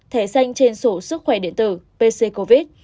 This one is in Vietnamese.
thẻ xanh trên sổ sức khỏe điện tử pc covid